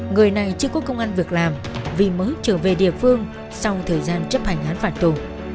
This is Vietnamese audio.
người này chưa có công an việc làm vì mới trở về địa phương sau thời gian chấp hành án phạt tù